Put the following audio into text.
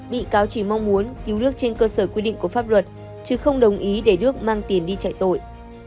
bị cáo chỉ mong muốn cứu nước trên cơ sở quy định của pháp luật chứ không đồng ý để đức mang tiền đi chạy tội